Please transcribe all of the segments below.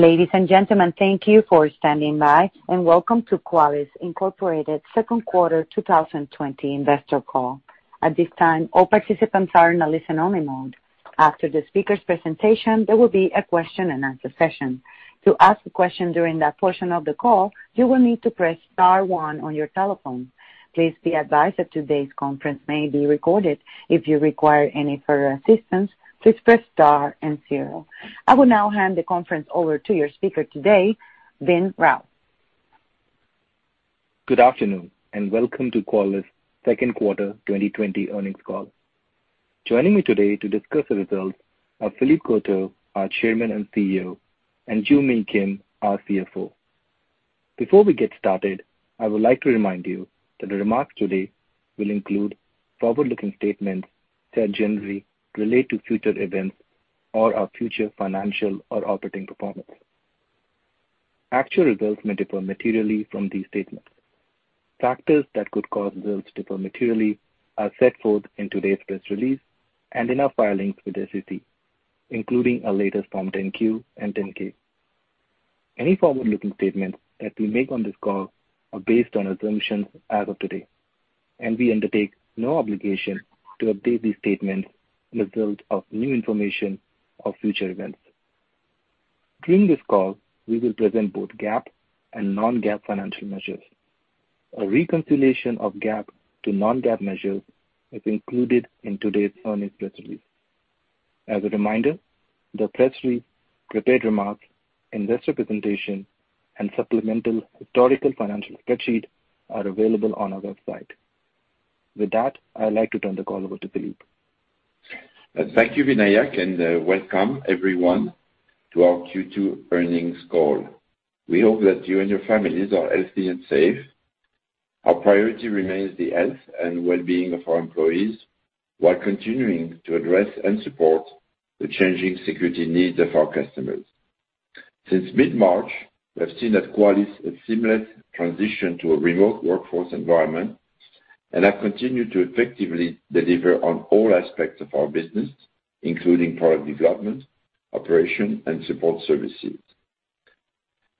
Ladies and gentlemen, thank you for standing by, and welcome to Qualys, Inc. second quarter 2020 investor call. At this time, all participants are in a listen-only mode. After the speaker's presentation, there will be a question-and-answer session. To ask a question during that portion of the call, you will need to press star one on your telephone. Please be advised that today's conference may be recorded. If you require any further assistance, please press star and zero. I will now hand the conference over to your speaker today, Vin Rao. Good afternoon, welcome to Qualys second quarter 2020 earnings call. Joining me today to discuss the results are Philippe Courtot, our Chairman and CEO, and Joo Mi Kim, our CFO. Before we get started, I would like to remind you that the remarks today will include forward-looking statements that generally relate to future events or our future financial or operating performance. Actual results may differ materially from these statements. Factors that could cause results to differ materially are set forth in today's press release and in our filings with the SEC, including our latest Form 10-Q and Form 10-K. Any forward-looking statements that we make on this call are based on assumptions as of today, we undertake no obligation to update these statements in the result of new information or future events. During this call, we will present both GAAP and non-GAAP financial measures. A reconciliation of GAAP to non-GAAP measures is included in today's earnings press release. As a reminder, the press release, prepared remarks, investor presentation, and supplemental historical financial spreadsheet are available on our website. With that, I'd like to turn the call over to Philippe. Thank you, Vinayak, and welcome everyone to our Q2 earnings call. We hope that you and your families are healthy and safe. Our priority remains the health and well-being of our employees while continuing to address and support the changing security needs of our customers. Since mid-March, we have seen that Qualys has seamless transition to a remote workforce environment and have continued to effectively deliver on all aspects of our business, including product development, operation, and support services.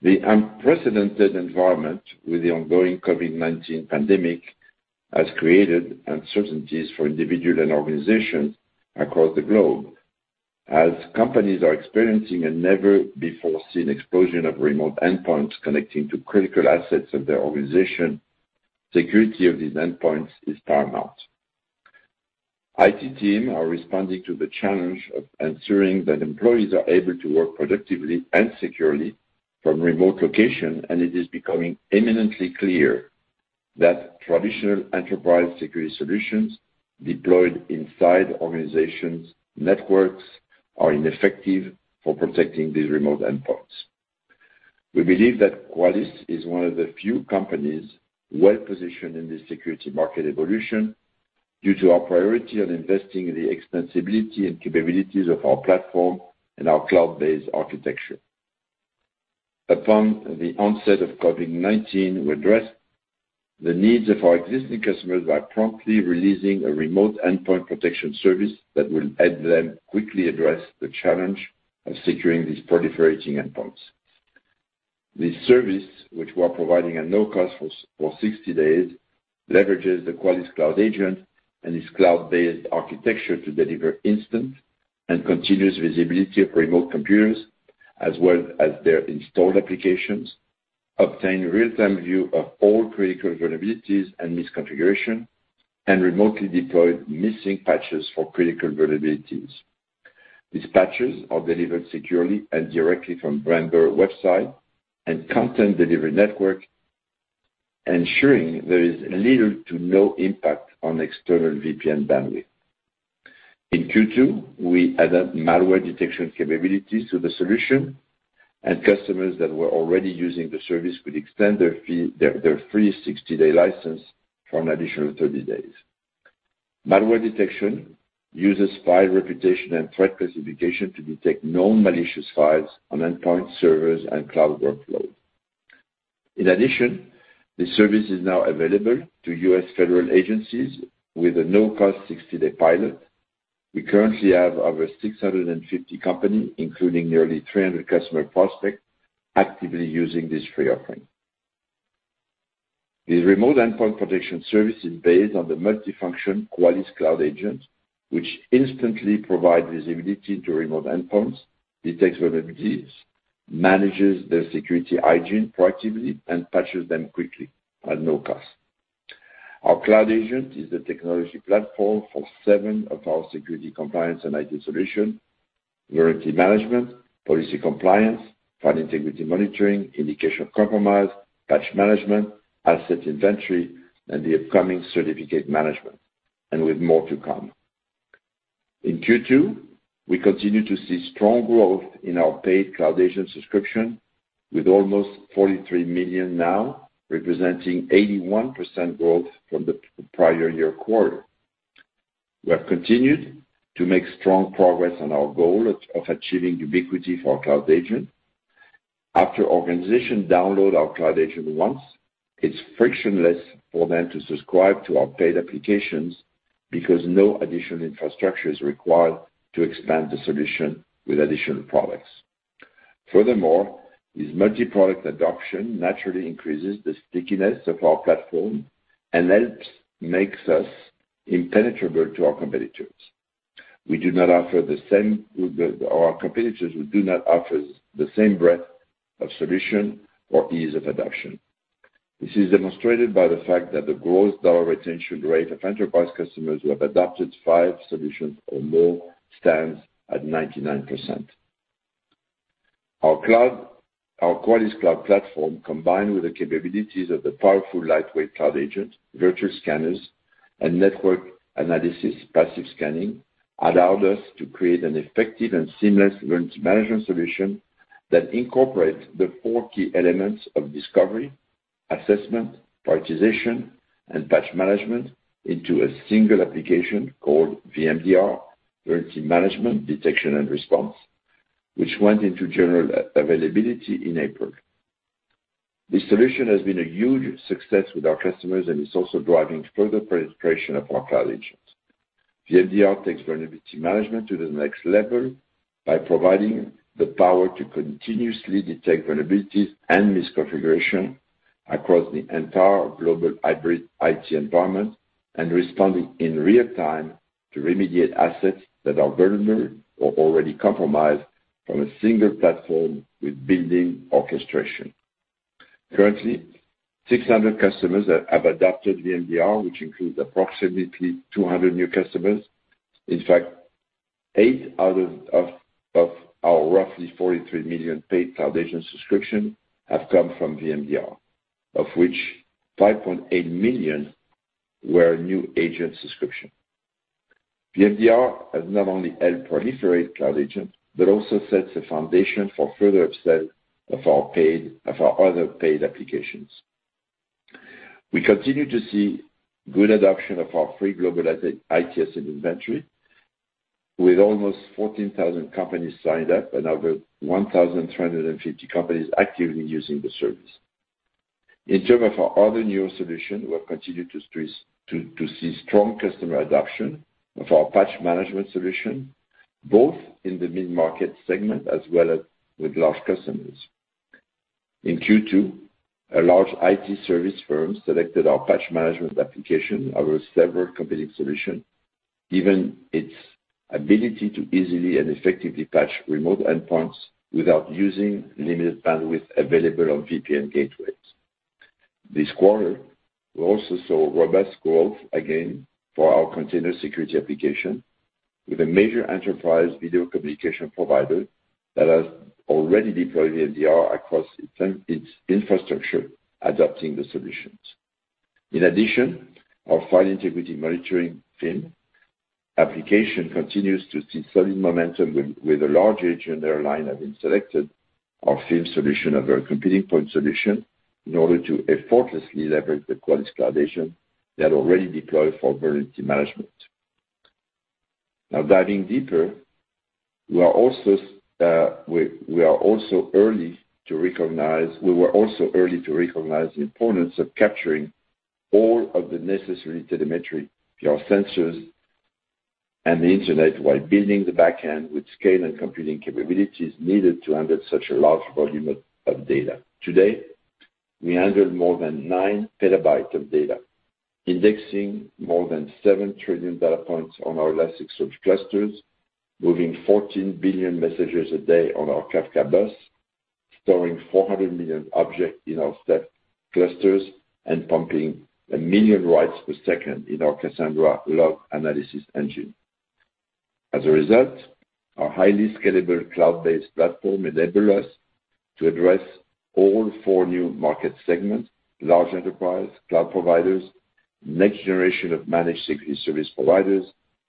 The unprecedented environment with the ongoing COVID-19 pandemic has created uncertainties for individual and organizations across the globe. As companies are experiencing a never-before-seen explosion of remote endpoints connecting to critical assets of their organization, security of these endpoints is paramount. IT team are responding to the challenge of ensuring that employees are able to work productively and securely from remote location. It is becoming imminently clear that traditional enterprise security solutions deployed inside organizations' networks are ineffective for protecting these remote endpoints. We believe that Qualys is one of the few companies well-positioned in the security market evolution due to our priority on investing in the extensibility and capabilities of our platform and our cloud-based architecture. Upon the onset of COVID-19, we addressed the needs of our existing customers by promptly releasing a remote endpoint protection service that will help them quickly address the challenge of securing these proliferating endpoints. This service, which we're providing at no cost for 60 days, leverages the Qualys Cloud Agent and its cloud-based architecture to deliver instant and continuous visibility of remote computers as well as their installed applications, obtain real-time view of all critical vulnerabilities and misconfiguration, and remotely deploy missing patches for critical vulnerabilities. These patches are delivered securely and directly from [vendor] website and content delivery network, ensuring there is little to no impact on external VPN bandwidth. In Q2, we added malware detection capabilities to the solution, and customers that were already using the service could extend their free 60-day license for an additional 30 days. Malware detection uses file reputation and threat classification to detect known malicious files on endpoint servers and cloud workload. In addition, this service is now available to U.S. federal agencies with a no-cost 60-day pilot. We currently have over 650 company, including nearly 300 customer prospects, actively using this free offering. The remote endpoint protection service is based on the multifunction Qualys Cloud Agent, which instantly provides visibility to remote endpoints, detects vulnerabilities, manages their security hygiene proactively, and patches them quickly at no cost. Our Cloud Agent is the technology platform for seven of our security compliance and IT solution, Vulnerability Management, Policy Compliance, File Integrity Monitoring, Indication of Compromise, Patch Management, Asset Inventory, and the upcoming Certificate Management, and with more to come. In Q2, we continue to see strong growth in our paid Cloud Agent subscription with almost 43 million now, representing 81% growth from the prior year quarter. We have continued to make strong progress on our goal of achieving ubiquity for our Cloud Agent. After organization download our Cloud Agent once, it's frictionless for them to subscribe to our paid applications because no additional infrastructure is required to expand the solution with additional products. Furthermore, this multi-product adoption naturally increases the stickiness of our platform and helps makes us impenetrable to our competitors. Our competitors who do not offer the same breadth of solution or ease of adoption. This is demonstrated by the fact that the gross dollar retention rate of enterprise customers who have adopted five solutions or more stands at 99%. Our cloud, our Qualys Cloud Platform, combined with the capabilities of the powerful lightweight Cloud Agent, virtual scanners, and network analysis passive scanning, allowed us to create an effective and seamless Vulnerability Management solution that incorporates the four key elements of discovery, assessment, prioritization, and Patch Management into a single application called VMDR, Vulnerability Management, Detection and Response, which went into general availability in April. This solution has been a huge success with our customers and is also driving further penetration of our Cloud Agents. VMDR takes Vulnerability Management to the next level by providing the power to continuously detect vulnerabilities and misconfiguration across the entire global hybrid IT environment and responding in real time to remediate assets that are vulnerable or already compromised from a single platform with building orchestration. Currently, 600 customers have adopted VMDR, which includes approximately 200 new customers. In fact, eight out of our roughly 43 million paid Cloud Agent subscriptions have come from VMDR, of which 5.8 million were new agent subscriptions. VMDR has not only helped proliferate Cloud Agent, but also sets a foundation for further upsell of our other paid applications. We continue to see good adoption of our free Global IT Asset Inventory with almost 14,000 companies signed up and over 1,350 companies actively using the service. In terms of our other newer solution, we have continued to see strong customer adoption of our Patch Management solution, both in the mid-market segment as well as with large customers. In Q2, a large IT service firm selected our Patch Management application over several competing solution, given its ability to easily and effectively patch remote endpoints without using limited bandwidth available on VPN gateways. This quarter, we also saw robust growth again for our Container Security application with a major enterprise video communication provider that has already deployed VMDR across its infrastructure, adopting the solutions. In addition, our File Integrity Monitoring, FIM, application continues to see steady momentum with a large agent airline have been selected our FIM solution, a very competing point solution in order to effortlessly leverage the Qualys Cloud Agent that already deployed for Vulnerability Management. Now, diving deeper, we were also early to recognize the importance of capturing all of the necessary telemetry via sensors and the internet while building the back end with scale and computing capabilities needed to handle such a large volume of data. Today, we handle more than nine petabytes of data, indexing more than 7 trillion data points on our Elasticsearch clusters, moving 14 billion messages a day on our Kafka bus, storing 400 million objects in our Ceph clusters, and pumping 1 million writes per second in our Cassandra log analysis engine. As a result, our highly scalable cloud-based platform enable us to address all four new market segments: large enterprise, cloud providers, next generation of managed security service providers,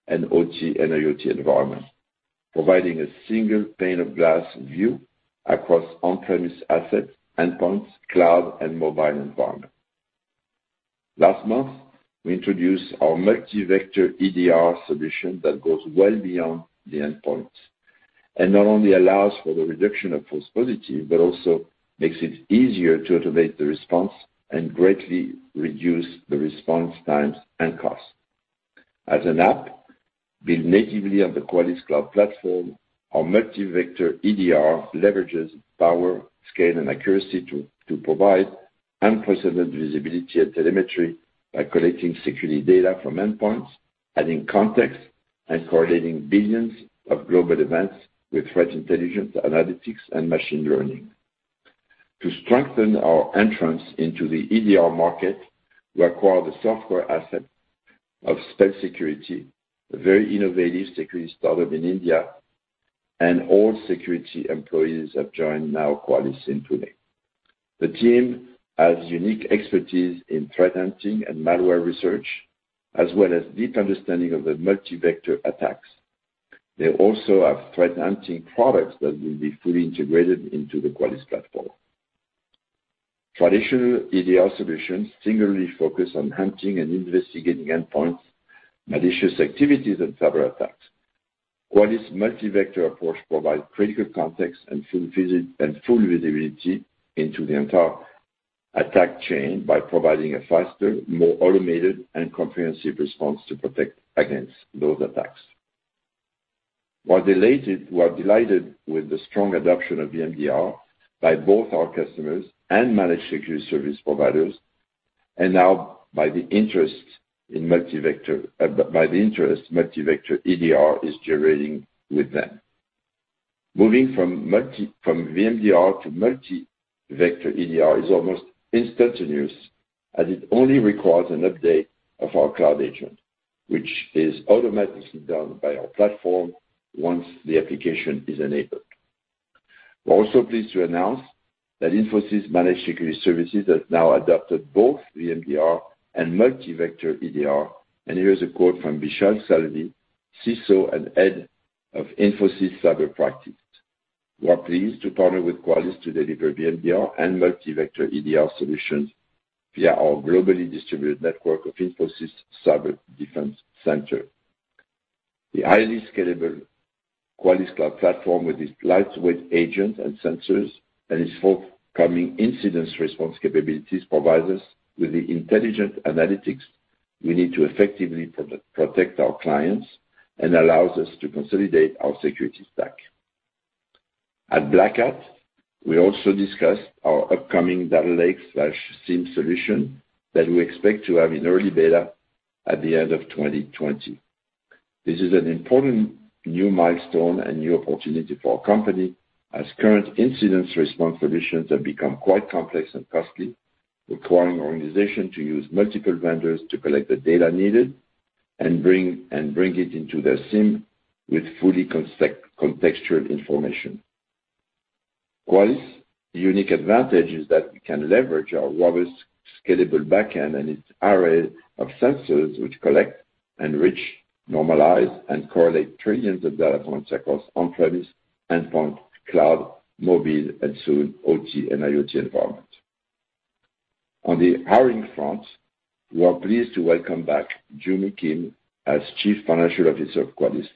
and OT and IoT environments, providing a single pane of glass view across on-premise assets, endpoints, cloud, and mobile environment. Last month, we introduced our Multi-Vector EDR solution that goes well beyond the endpoint and not only allows for the reduction of false positive, but also makes it easier to automate the response and greatly reduce the response times and costs. As an app built natively on the Qualys Cloud Platform, our Multi-Vector EDR leverages power, scale, and accuracy to provide unprecedented visibility and telemetry by collecting security data from endpoints, adding context, and correlating billions of global events with threat intelligence, analytics, and machine learning. To strengthen our entrance into the EDR market, we acquired the software asset of Spell Security, a very innovative security startup in India, and all security employees have joined now Qualys in Pune. The team has unique expertise in threat hunting and malware research, as well as deep understanding of the multi-vector attacks. They also have threat hunting products that will be fully integrated into the Qualys platform. Traditional EDR solutions singularly focus on hunting and investigating endpoints, malicious activities and cyber attacks. Qualys' multi-vector approach provides critical context and full visibility into the entire attack chain by providing a faster, more automated, and comprehensive response to protect against those attacks. We're delighted with the strong adoption of VMDR by both our customers and managed security service providers, and now by the interest Multi-Vector EDR is generating with them. Moving from VMDR to Multi-Vector EDR is almost instantaneous, as it only requires an update of our Cloud Agent, which is automatically done by our platform once the application is enabled. We're also pleased to announce that Infosys Managed Security Services has now adopted both VMDR and Multi-Vector EDR, and here is a quote from Vishal Salvi, CISO and Head of Infosys Cyber Practice: "We are pleased to partner with Qualys to deliver VMDR and Multi-Vector EDR solutions via our globally distributed network of Infosys Cyber Defense Center. The highly scalable Qualys Cloud Platform with its lightweight agent and sensors and its forthcoming incident response capabilities provides us with the intelligent analytics we need to effectively protect our clients and allows us to consolidate our security stack. At Black Hat, we also discussed our upcoming Data Lake/SIEM solution that we expect to have in early beta at the end of 2020. This is an important new milestone and new opportunity for our company as current incident response solutions have become quite complex and costly, requiring organization to use multiple vendors to collect the data needed and bring it into their SIEM with fully contextual information. Qualys' unique advantage is that we can leverage our robust, scalable backend and its array of sensors which collect, enrich, normalize, and correlate trillions of data points across on-premise endpoint, cloud, mobile, and soon OT and IoT environment. On the hiring front, we are pleased to welcome back Joo Mi Kim as Chief Financial Officer of Qualys.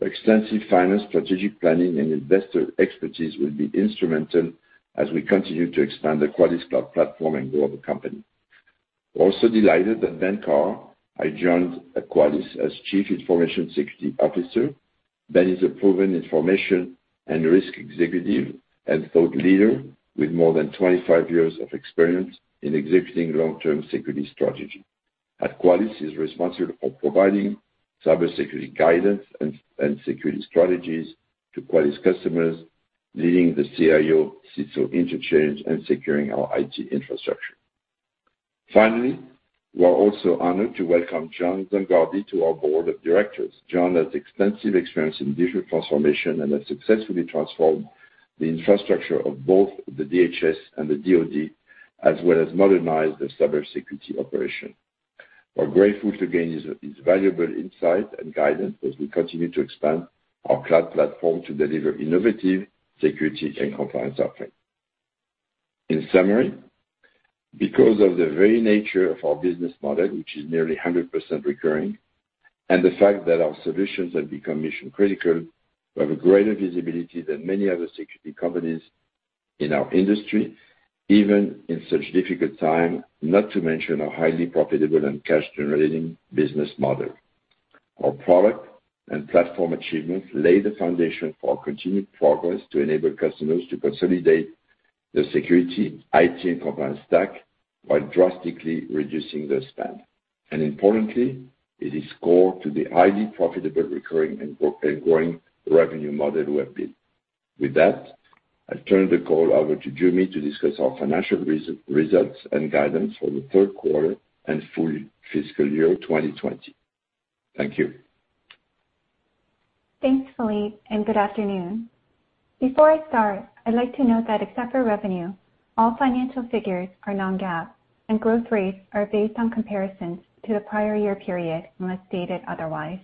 Her extensive finance, strategic planning, and investor expertise will be instrumental as we continue to expand the Qualys Cloud Platform and grow the company. We're also delighted that Ben Carr has joined Qualys as Chief Information Security Officer. Ben is a proven information and risk executive and thought leader with more than 25 years of experience in executing long-term security strategy. At Qualys, he's responsible for providing cybersecurity guidance and security strategies to Qualys customers, leading the CIO CISO interchange and securing our IT infrastructure. We are also honored to welcome John Zangardi to our board of directors. John has extensive experience in digital transformation and has successfully transformed the infrastructure of both the DHS and the DoD, as well as modernized their cybersecurity operation. We're grateful to gain his valuable insight and guidance as we continue to expand our Cloud Platform to deliver innovative security and compliance offering. In summary, because of the very nature of our business model, which is nearly 100% recurring, and the fact that our solutions have become mission-critical, we have a greater visibility than many other security companies in our industry, even in such difficult time, not to mention our highly profitable and cash-generating business model. Our product and platform achievements lay the foundation for our continued progress to enable customers to consolidate their security, IT, and compliance stack while drastically reducing their spend. Importantly, it is core to the highly profitable recurring and growing revenue model we have built. With that, I turn the call over to Joo Mi to discuss our financial results and guidance for the third quarter and full fiscal year 2020. Thank you. Thanks, Philippe, and good afternoon. Before I start, I'd like to note that except for revenue, all financial figures are non-GAAP, and growth rates are based on comparisons to the prior year period, unless stated otherwise.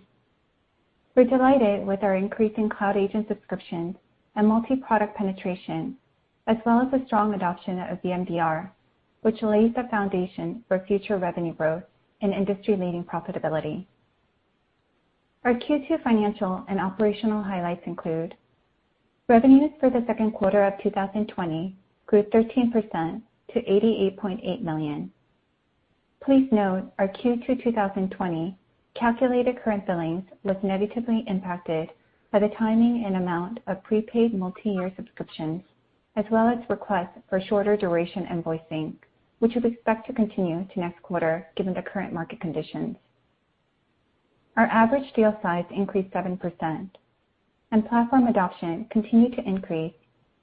We're delighted with our increasing Cloud Agent subscriptions and multi-product penetration, as well as the strong adoption of VMDR, which lays the foundation for future revenue growth and industry-leading profitability. Our Q2 financial and operational highlights include: revenues for the second quarter of 2020 grew 13% to $88.8 million. Please note our Q2 2020 calculated current billings was negatively impacted by the timing and amount of prepaid multi-year subscriptions, as well as requests for shorter duration invoicing, which we expect to continue to next quarter given the current market conditions. Our average deal size increased 7%, and platform adoption continued to increase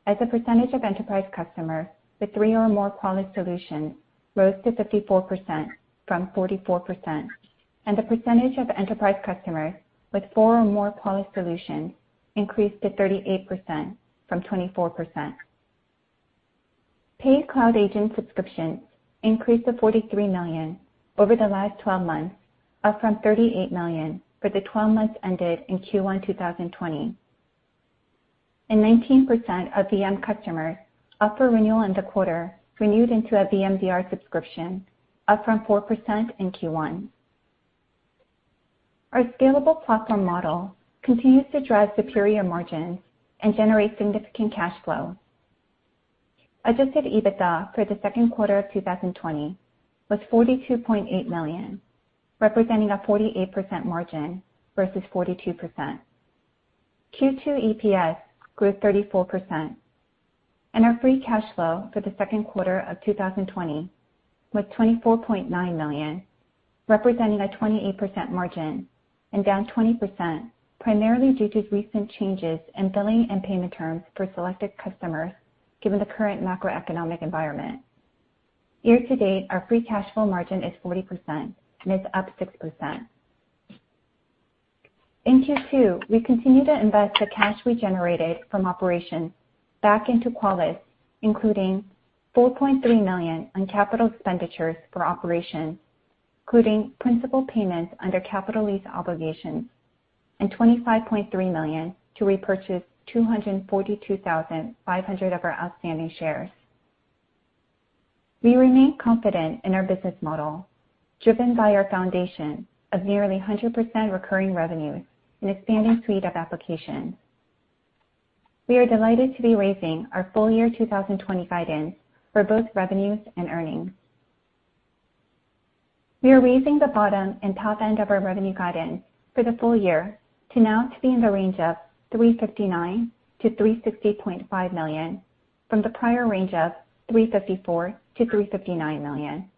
as a percentage of enterprise customers with three or more Qualys solutions rose to 54% from 44%. The percentage of enterprise customers with four or more Qualys solutions increased to 38% from 24%. Paid Cloud Agent subscriptions increased to 43 million over the last 12 months, up from 38 million for the 12 months ended in Q1 2020. 19% of VM customers up for renewal in the quarter renewed into a VMDR subscription, up from 4% in Q1. Our scalable platform model continues to drive superior margins and generate significant cash flow. Adjusted EBITDA for the second quarter of 2020 was $42.8 million, representing a 48% margin versus 42%. Q2 EPS grew 34%. Our free cash flow for the second quarter of 2020 was $24.9 million, representing a 28% margin and down 20% primarily due to recent changes in billing and payment terms for selected customers given the current macroeconomic environment. Year to date, our free cash flow margin is 40% and is up 6%. In Q2, we continued to invest the cash we generated from operations back into Qualys, including $4.3 million on capital expenditures for operations, including principal payments under capital lease obligations and $25.3 million to repurchase 242,500 of our outstanding shares. We remain confident in our business model, driven by our foundation of nearly 100% recurring revenues and expanding suite of applications. We are delighted to be raising our full year 2020 guidance for both revenues and earnings. We are raising the bottom and top end of our revenue guidance for the full year to now be in the range of $359 million-$360.5 million, from the prior range of $354 million-$359 million.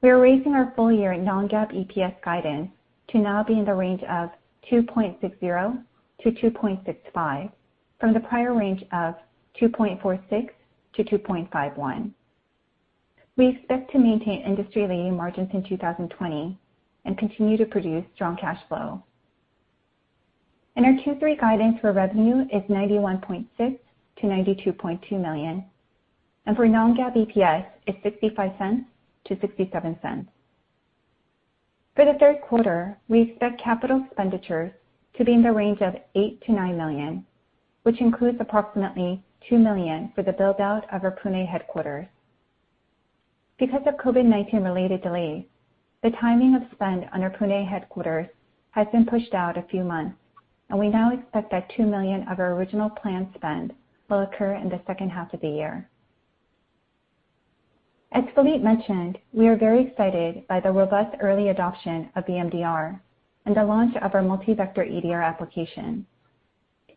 We are raising our full year non-GAAP EPS guidance to now be in the range of $2.60-$2.65, from the prior range of $2.46-$2.51. We expect to maintain industry-leading margins in 2020 and continue to produce strong cash flow. Our Q3 guidance for revenue is $91.6 million-$92.2 million, and for non-GAAP EPS is $0.65-$0.67. For the third quarter, we expect CapEx to be in the range of $8 million-$9 million, which includes approximately $2 million for the build-out of our Pune headquarters. Because of COVID-19 related delays, the timing of spend on our Pune headquarters has been pushed out a few months, and we now expect that $2 million of our original planned spend will occur in the second half of the year. As Philippe mentioned, we are very excited by the robust early adoption of VMDR and the launch of our Multi-Vector EDR application.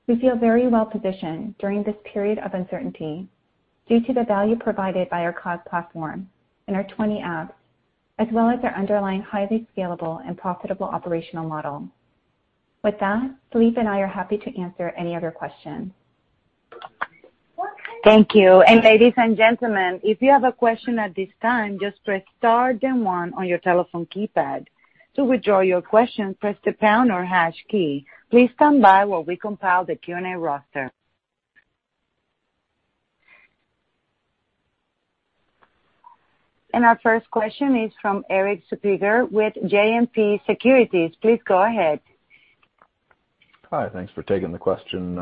We feel very well positioned during this period of uncertainty due to the value provided by our cloud platform and our 20 apps, as well as our underlying highly scalable and profitable operational model. With that, Philippe and I are happy to answer any of your questions. Thank you. Ladies and gentlemen, if you have a question at this time, just press star then one on your telephone keypad. To withdraw your question, press the pound or hash key. Please stand by while we compile the Q&A roster. Our first question is from Eric Suppiger with JMP Securities. Please go ahead. Hi, thanks for taking the question.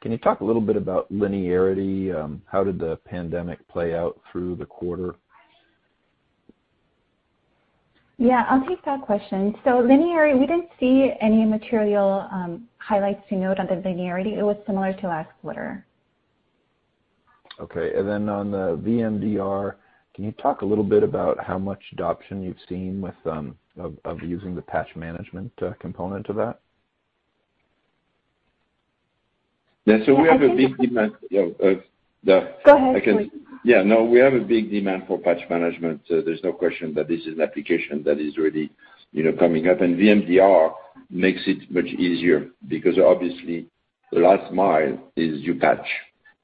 Can you talk a little bit about linearity? How did the pandemic play out through the quarter? Yeah, I'll take that question. Linearity, we didn't see any material highlights to note on the linearity. It was similar to last quarter. Okay. On the VMDR, can you talk a little bit about how much adoption you've seen with using the Patch Management component of that? Yeah. We have a big demand. Go ahead, Philippe. Yeah, no, we have a big demand for Patch Management. There's no question that this is an application that is really, you know, coming up. VMDR makes it much easier because obviously the last mile is you patch,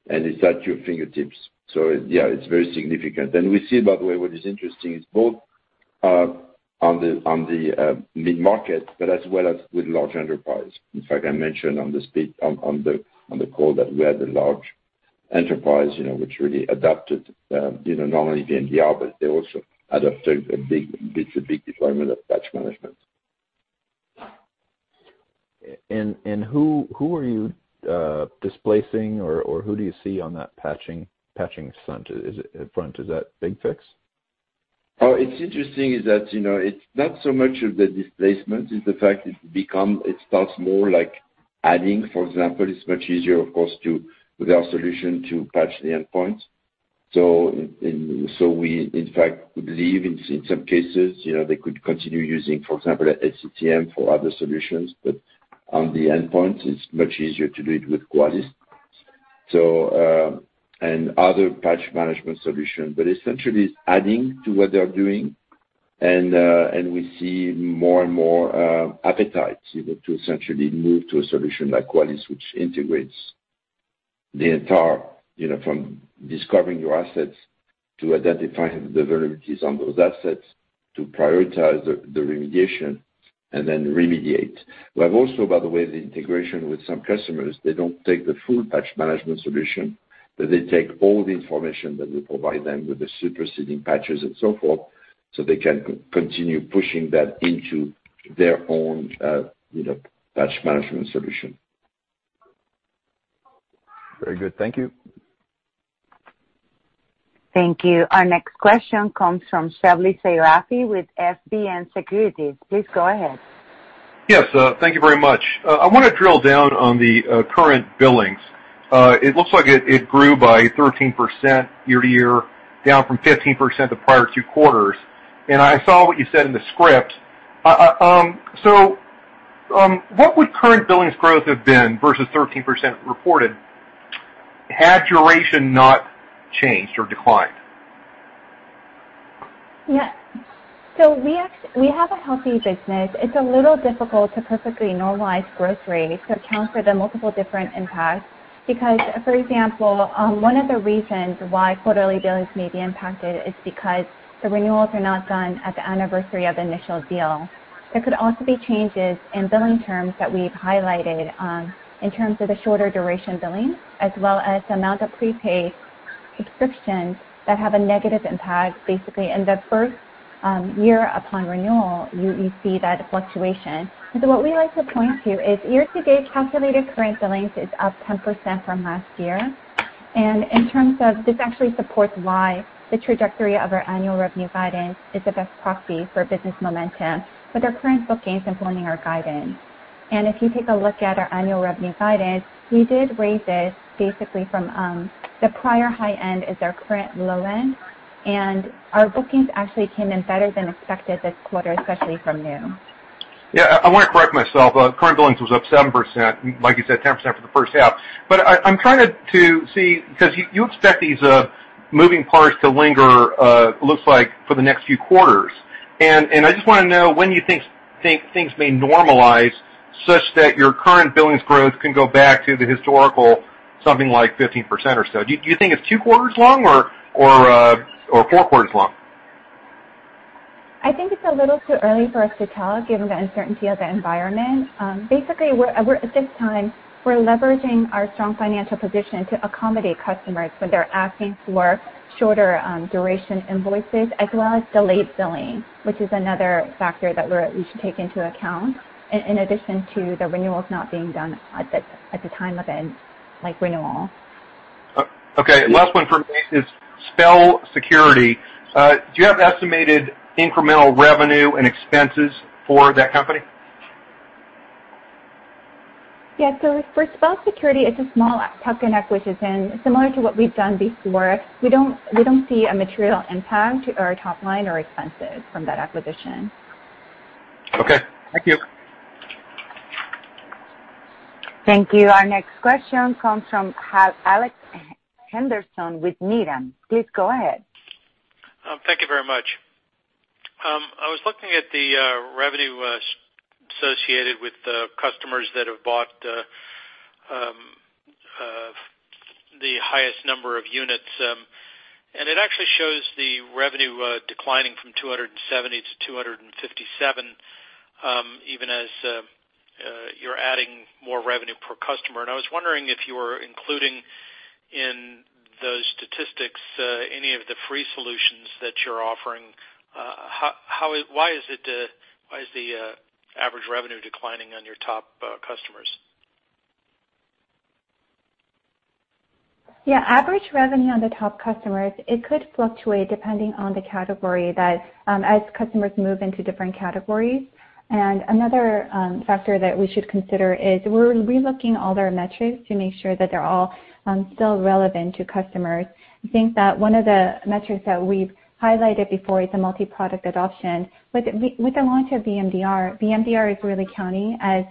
and it's at your fingertips. Yeah, it's very significant. We see, by the way, what is interesting is both on the, on the mid-market, but as well as with large enterprise. In fact, I mentioned on the call that we had a large enterprise, you know, which really adopted, you know, not only VMDR, but they also adopted a big, it's a big deployment of Patch Management. Who are you displacing or who do you see on that patching front? Is it front? Is that BigFix? It's interesting is that, you know, it's not so much of the displacement. It's the fact it starts more like adding. For example, it's much easier of course to, with our solution, to patch the endpoint. In fact, we believe in some cases, you know, they could continue using, for example, an SCCM for other solutions. On the endpoint, it's much easier to do it with Qualys and other patch management solution. Essentially it's adding to what they are doing and we see more and more appetite, you know, to essentially move to a solution like Qualys, which integrates the entire, you know, from discovering your assets to identifying the vulnerabilities on those assets, to prioritize the remediation and then remediate. We have also, by the way, the integration with some customers. They don't take the full Patch Management solution. That they take all the information that we provide them with the superseding patches and so forth, so they can continue pushing that into their own, you know, patch management solution. Very good. Thank you. Thank you. Our next question comes from Shebly Seyrafi with FBN Securities. Please go ahead. Yes, thank you very much. I wanna drill down on the current billings. It looks like it grew by 13% year-to-year, down from 15% the prior two quarters. I saw what you said in the script. What would current billings growth have been versus 13% reported had duration not changed or declined? Yes. We have a healthy business. It's a little difficult to perfectly normalize growth rates to account for the multiple different impacts because, for example, one of the reasons why quarterly billings may be impacted is because the renewals are not done at the anniversary of initial deal. There could also be changes in billing terms that we've highlighted, in terms of the shorter duration billing, as well as amount of prepaid subscriptions that have a negative impact, basically, in the first year upon renewal, you see that fluctuation. What we like to point to is year to date calculated current billings is up 10% from last year. In terms of this actually supports why the trajectory of our annual revenue guidance is the best proxy for business momentum with our current bookings employing our guidance. If you take a look at our annual revenue guidance, we did raise this basically from the prior high end is our current low end, and our bookings actually came in better than expected this quarter, especially from new. I wanna correct myself. Current billings was up 7%, like you said, 10% for the first half. I'm trying to see, 'cause you expect these moving parts to linger, looks like for the next few quarters. I just wanna know when you think things may normalize such that your current billings growth can go back to the historical something like 15% or so. Do you think it's two quarters long or four quarters long? I think it's a little too early for us to tell given the uncertainty of the environment. Basically at this time, we're leveraging our strong financial position to accommodate customers when they're asking for shorter duration invoices as well as delayed billing, which is another factor that we should take into account in addition to the renewals not being done at the time of end, like renewal. Okay. Last one for me is Spell Security. Do you have estimated incremental revenue and expenses for that company? Yeah. For Spell Security, it's a small tuck-in acquisition, similar to what we've done before. We don't see a material impact to our top line or expenses from that acquisition. Okay. Thank you. Thank you. Our next question comes from Alex Henderson with Needham. Please go ahead. Thank you very much. I was looking at the revenue associated with the customers that have bought the highest number of units, and it actually shows the revenue declining from $270-$257, even as you're adding more revenue per customer. I was wondering if you were including in those statistics any of the free solutions that you're offering. Why is it, why is the average revenue declining on your top customers? Yeah. Average revenue on the top customers, it could fluctuate depending on the category that, as customers move into different categories. Another factor that we should consider is we're relooking all their metrics to make sure that they're all still relevant to customers. I think that one of the metrics that we've highlighted before is a multi-product adoption. With the launch of VMDR,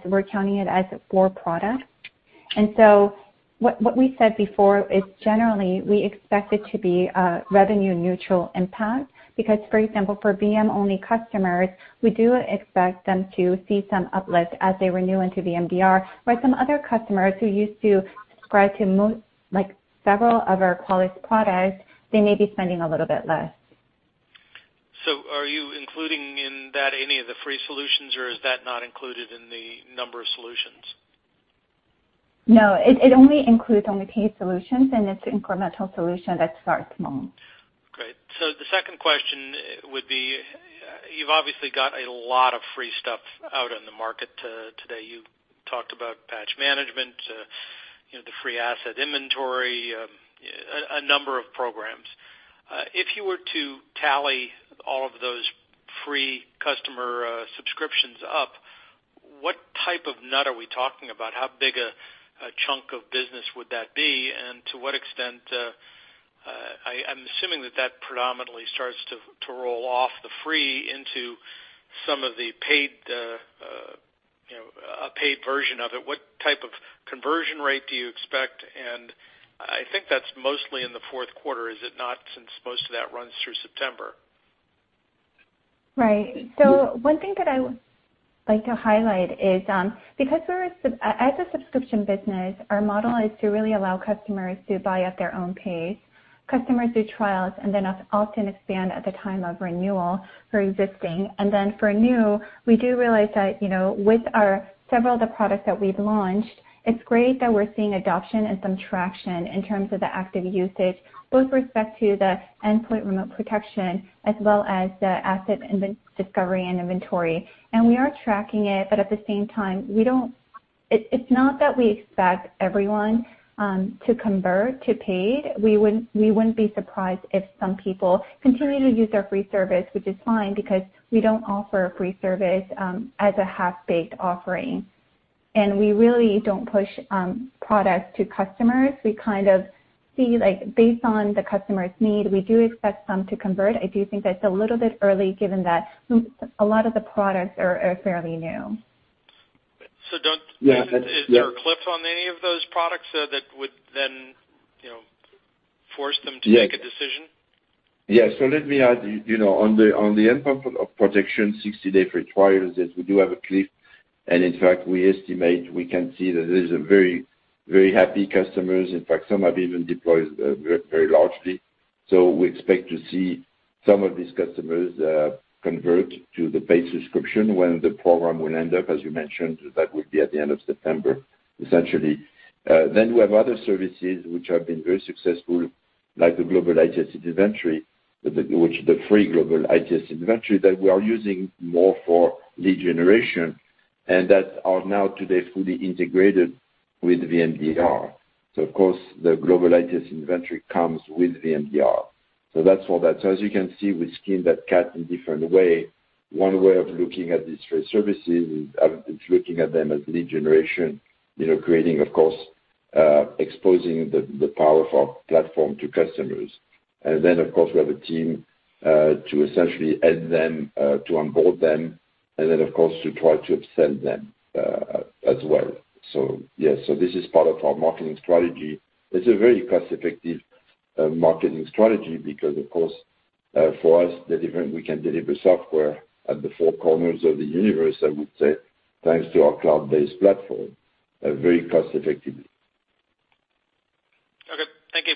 we're counting it as 4 products. What we said before is generally we expect it to be a revenue neutral impact because, for example, for VM-only customers, we do expect them to see some uplift as they renew into VMDR. Some other customers who used to subscribe to like several of our Qualys products, they may be spending a little bit less. Are you including in that any of the free solutions or is that not included in the number of solutions? No, it only includes only paid solutions and it's incremental solution that starts small. Great. The second question would be, you've obviously got a lot of free stuff out in the market today. You talked about Patch Management, you know, the free Asset Inventory, a number of programs. If you were to tally all of those free customer subscriptions up, what type of nut are we talking about? How big a chunk of business would that be? To what extent, I'm assuming that that predominantly starts to roll off the free into some of the paid, you know, a paid version of it. What type of conversion rate do you expect? I think that's mostly in the fourth quarter, is it not, since most of that runs through September? Right. One thing that I would like to highlight is, because we're as a subscription business, our model is to really allow customers to buy at their own pace. Customers do trials and then often expand at the time of renewal for existing. Then for new, we do realize that, you know, with our several of the products that we've launched, it's great that we're seeing adoption and some traction in terms of the active usage, both respect to the endpoint remote protection as well as the Asset Inventory. We are tracking it, but at the same time, we don't expect everyone to convert to paid. We wouldn't be surprised if some people continue to use our free service, which is fine because we don't offer a free service as a half-baked offering. We really don't push products to customers. We kind of see, like, based on the customer's need, we do expect some to convert. I do think that it's a little bit early, given that a lot of the products are fairly new. So don't- Yeah, that's. Is there a cliff on any of those products, that would then, you know, force them to make a decision? Yes. Let me add, you know, on the endpoint protection, 60-day free trials, yes, we do have a cliff. In fact, we estimate we can see that there's a very happy customers. In fact, some have even deployed very largely. We expect to see some of these customers convert to the paid subscription when the program will end up, as you mentioned, that would be at the end of September, essentially. We have other services which have been very successful, like the Global IT Asset Inventory, the free Global IT Asset Inventory that we are using more for lead generation and that are now today fully integrated with VMDR. Of course, the Global IT Asset Inventory comes with VMDR. That's all that. As you can see, we skin that cat in different way. One way of looking at these free services is looking at them as lead generation, you know, creating, of course, exposing the power of our platform to customers. Of course, we have a team to essentially add them, to onboard them, and then, of course, to try to upsell them as well. Yes. This is part of our marketing strategy. It's a very cost-effective marketing strategy because, of course, for us, the different we can deliver software at the four corners of the universe, I would say, thanks to our Qualys Cloud Platform, very cost-effective. Okay. Thank you.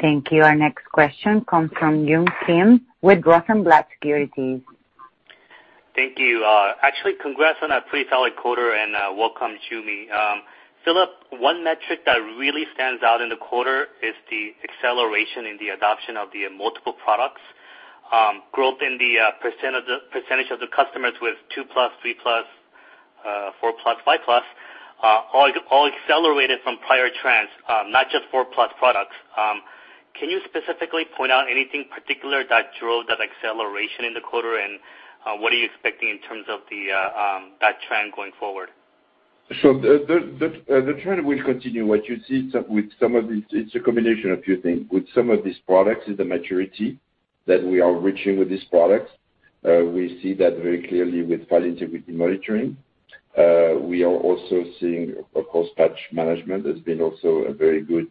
Thank you. Our next question comes from Yun Kim with Rosenblatt Securities. Thank you. Actually, congrats on a pretty solid quarter and welcome, Joo Mi. Philippe, one metric that really stands out in the quarter is the acceleration in the adoption of the multiple products. Growth in the percentage of the customers with 2+, 3+, 4+, 5+ all accelerated from prior trends, not just 4+ products. Can you specifically point out anything particular that drove that acceleration in the quarter? What are you expecting in terms of that trend going forward? The trend will continue. What you see with some of it's a combination of few things. With some of these products is the maturity that we are reaching with these products. We see that very clearly with File Integrity Monitoring. We are also seeing, of course, Patch Management has been also a very good,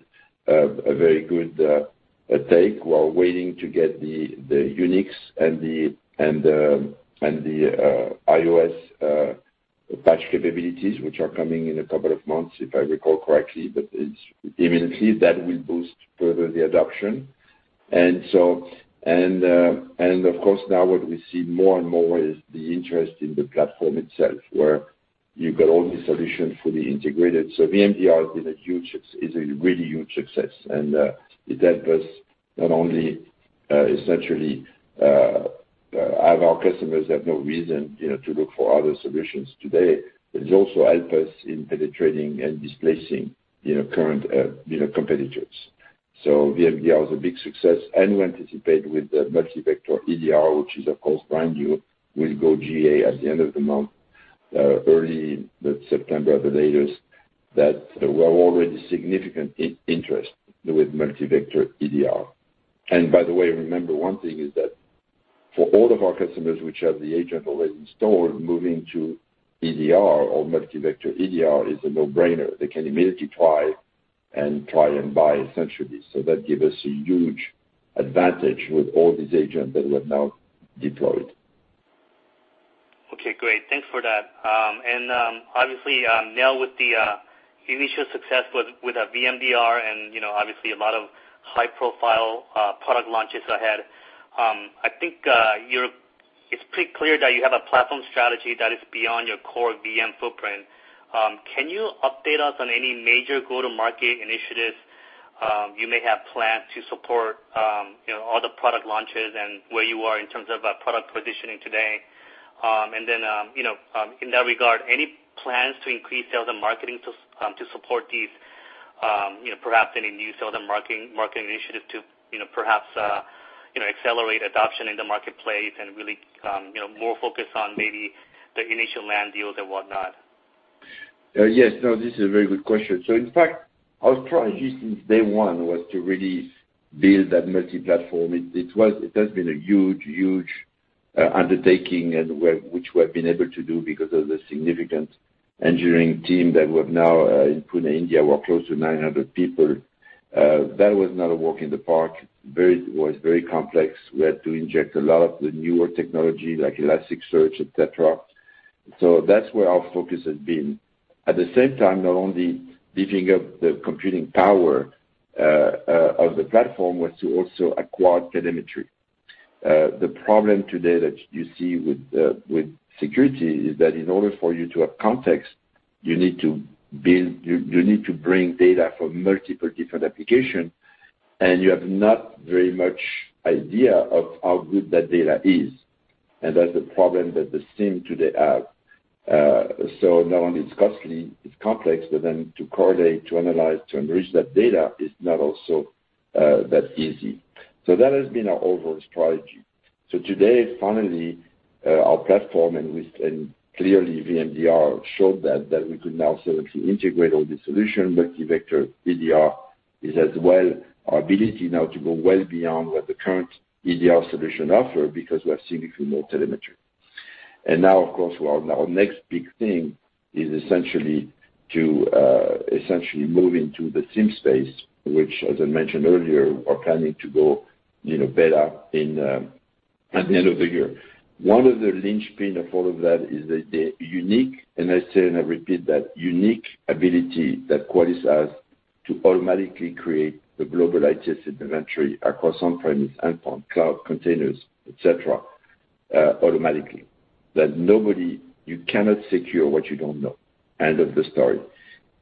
a very good take while waiting to get the Unix and the iOS patch capabilities, which are coming in a couple of months, if I recall correctly. It's immediately that will boost further the adoption. Now what we see more and more is the interest in the platform itself, where you've got all these solutions fully integrated. VMDR has been a huge success, is a really huge success. It helped us not only, essentially, have our customers have no reason, you know, to look for other solutions today, but it also help us in penetrating and displacing, you know, current, you know, competitors. VMDR was a big success. We anticipate with the Multi-Vector EDR, which is, of course, brand new, will go GA at the end of the month, early September at the latest, that there were already significant interest with Multi-Vector EDR. By the way, remember one thing is that for all of our customers which have the agent already installed, moving to EDR or Multi-Vector EDR is a no-brainer. They can immediately try and buy essentially. That give us a huge advantage with all these agent that we have now deployed. Okay, great. Thanks for that. Obviously, now with the initial success with VMDR and, you know, obviously a lot of high-profile product launches ahead, I think it's pretty clear that you have a platform strategy that is beyond your core VM footprint. Can you update us on any major go-to-market initiatives you may have planned to support, you know, all the product launches and where you are in terms of product positioning today? Then, you know, in that regard, any plans to increase sales and marketing to support these, you know, perhaps any new sales and marketing initiative to, you know, perhaps accelerate adoption in the marketplace and really, you know, more focus on maybe the initial land deals and whatnot? Yes. No, this is a very good question. In fact, our strategy since day one was to really build that multi-platform. It has been a huge undertaking which we have been able to do because of the significant engineering team that we have now in Pune, India. We're close to 900 people. That was not a walk in the park. It was very complex. We had to inject a lot of the newer technology like Elasticsearch, et cetera. That's where our focus has been. At the same time, not only beefing up the computing power of the platform was to also acquire telemetry. The problem today that you see with security is that in order for you to have context, you need to bring data from multiple different application, and you have not very much idea of how good that data is, and that's the problem that the SIEM today have. Not only it's costly, it's complex, but then to correlate, to analyze, to enrich that data is not also that easy. That has been our overall strategy. Today, finally, our platform and clearly VMDR showed that we could now certainly integrate all the solution Multi-Vector EDR is as well our ability now to go well beyond what the current EDR solution offer because we have significantly more telemetry. Now, of course, our next big thing is essentially to essentially move into the SIEM space, which as I mentioned earlier, we're planning to go, you know, beta in at the end of the year. One of the linchpin of all of that is the unique, and I say, and I repeat that, unique ability that Qualys has to automatically create the Global IT Asset Inventory across on-premise, endpoint, cloud, containers, et cetera, automatically. You cannot secure what you don't know. End of the story.